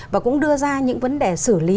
và cũng đưa ra những vấn đề xử lý